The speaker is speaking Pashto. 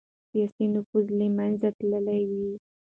سياسي نفوذ له منځه تللی و.